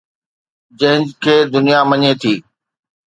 جنهن کي دنيا مڃي ٿي.